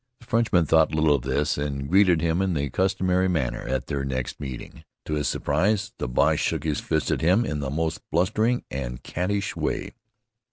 The Frenchman thought little of this, and greeted him in the customary manner at their next meeting. To his surprise, the Boche shook his fist at him in the most blustering and caddish way.